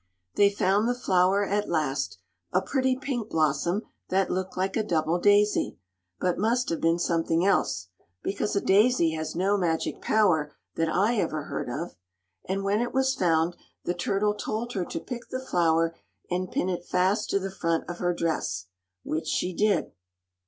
They found the flower at last a pretty pink blossom that looked like a double daisy, but must have been something else, because a daisy has no magic power that I ever heard of. And when it was found, the turtle told her to pick the flower and pin it fast to the front of her dress; which she did.